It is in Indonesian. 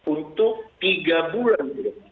untuk tiga bulan